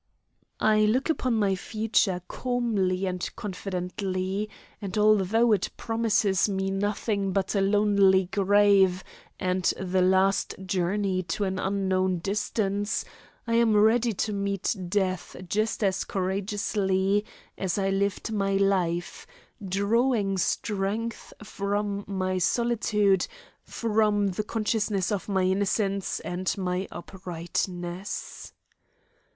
I look upon my future calmly and confidently, and although it promises me nothing but a lonely grave and the last journey to an unknown distance, I am ready to meet death just as courageously as I lived my life, drawing strength from my solitude, from the consciousness of my innocence and my uprightness.